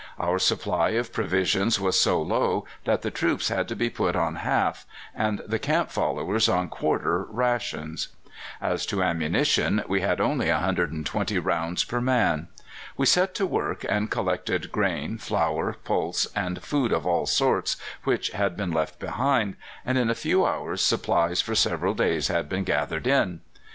Our supply of provisions was so low that the troops had to be put on half, and the camp followers on quarter, rations. As to ammunition, we had only 120 rounds per man. We set to work and collected grain, flour, pulse, and food of all sorts which had been left behind, and in a few hours supplies for several days had been gathered in.